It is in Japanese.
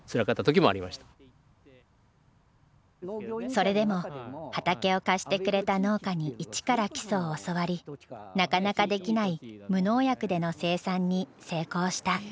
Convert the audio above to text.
それでも畑を貸してくれた農家に一から基礎を教わりなかなかできない無農薬での生産に成功した。